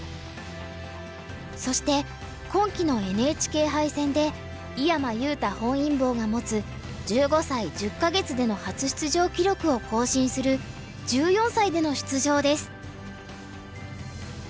そして今期のＮＨＫ杯戦で井山裕太本因坊が持つ１５歳１０か月での初出場記録を更新する１４歳での出場です。